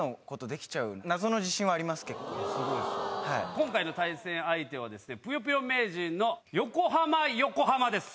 今回の対戦相手は『ぷよぷよ』名人の横浜ヨコハマです。